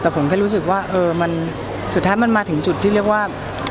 แต่ผมแค่รู้สึกว่ามันสุดท้ายมันมาถึงจุดที่เรียกว่า